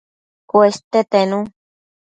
Cueste tenu